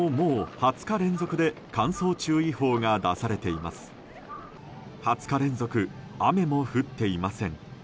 ２０日連続雨も降っていません。